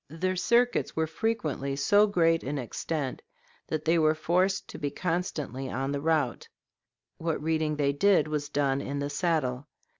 Their circuits were frequently so great in extent that they were forced to be constantly on the route; what reading they did was done in the saddle.